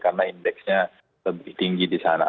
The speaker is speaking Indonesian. karena indeksnya lebih tinggi di sana